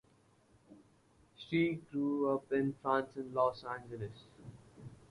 She grew up in France and Los Angeles.